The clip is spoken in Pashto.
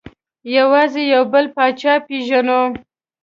یوازې یو بل پاچا پېژنو.